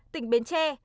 tỉnh bến tre